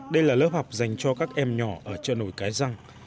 đây là lớp học dành cho các em nhỏ ở trợ nổi cái răng